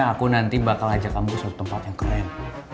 aku nanti bakal ajak kamu ke suatu tempat yang keren